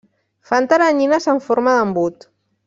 Fan teranyines en forma d'embut.